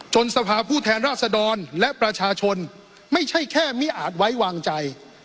สภาพผู้แทนราษดรและประชาชนไม่ใช่แค่ไม่อาจไว้วางใจ